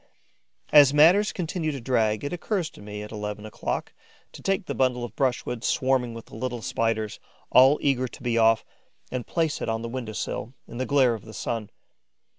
As matters continue to drag, it occurs to me, at eleven o'clock, to take the bundle of brushwood swarming with the little Spiders, all eager to be off, and place it on the window sill, in the glare of the sun.